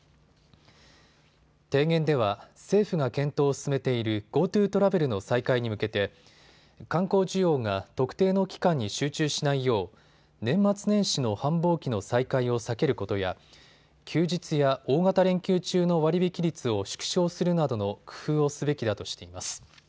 提言では政府が検討を進めているＧｏＴｏトラベルの再開に向けて観光需要が特定の期間に集中しないよう年末年始の繁忙期の再開を避けることや休日や大型連休中の割引率を縮小するなどの工夫をすべきだとしています。